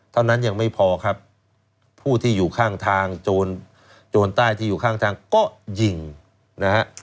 เท่านั้นยังไม่พอครับผู้ที่อยู่ข้างทางโจรใต้ที่อยู่ข้างทางก็ยิงนะฮะ